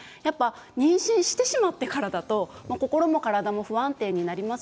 妊娠をしてしまってからだと心も体も不安定になります。